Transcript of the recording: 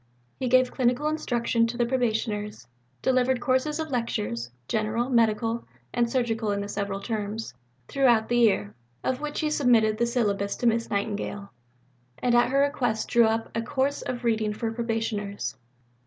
He gave clinical instruction to the Probationers; delivered courses of lectures general, medical, and surgical in the several terms throughout the year, of which he submitted the syllabus to Miss Nightingale, and at her request drew up a "Course of Reading for Probationers."